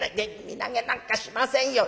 「身投げなんかしませんよ」。